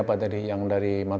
mencari rezeki di ibu kota